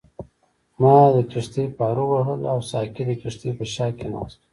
ما کښتۍ پارو وهله او ساقي د کښتۍ په شا کې ناست وو.